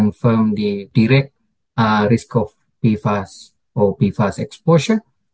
untuk mengakui risiko pfas atau eksposur pfas